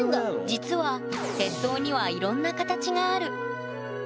実は鉄塔にはいろんな形がある。